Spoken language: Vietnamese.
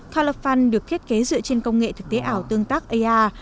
calafan được thiết kế dựa trên công nghệ thực tế ảo tương tác ar